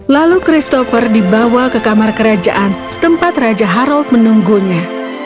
lalu christopher dibawa ke kamar kerajaan tempat raja harald menunggunya